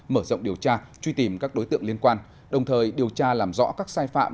mở rộng điều tra truy tìm các đối tượng liên quan đồng thời điều tra làm rõ các sai phạm